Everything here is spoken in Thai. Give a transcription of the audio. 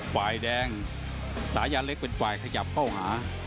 ฝ่ายแดงสายันเล็กเป็นฝ่ายขยับเข้าหา